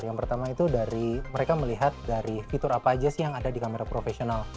yang pertama itu dari mereka melihat dari fitur apa aja sih yang ada di kamera profesional